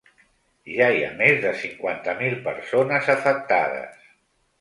Ja hi ha més de cinquanta mil persones afectades.